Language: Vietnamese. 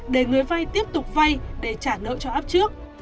để người vay tiếp tục vay để trả nợ cho app trước